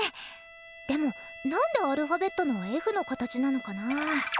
でもなんでアルファベットのｆの形なのかな？